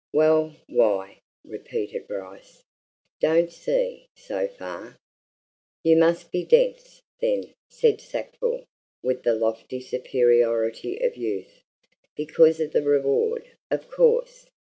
"Well, why?" repeated Bryce. "Don't see, so far." "You must be dense, then," said Sackville with the lofty superiority of youth. "Because of the reward, of course!